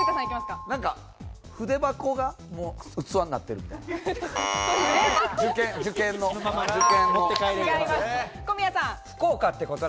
筆箱が器になってるみたいな。